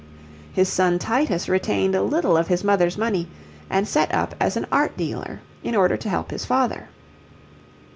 His son Titus retained a little of his mother's money, and set up as an art dealer in order to help his father.